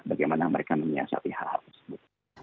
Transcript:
bagaimana mereka menyiasati hal hal tersebut